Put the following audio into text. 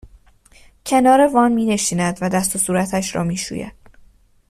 کنار وان مینشیند و دست و صورتش را میشوید